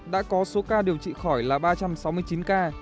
đã có số ca điều trị khỏi là ba trăm sáu mươi chín ca